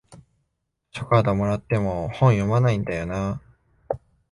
図書カードもらっても本読まないんだよなあ